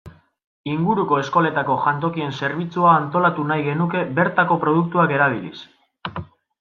Inguruko eskoletako jantokien zerbitzua antolatu nahi genuke bertako produktuak erabiliz.